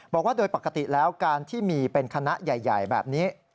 บอกว่าโดยปกติแล้วการที่มีเป็นคณะใหญ่แบบนี้